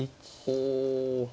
お。